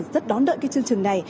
rất đón đợi chương trình này